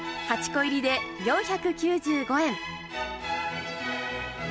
８個入りで４９５円。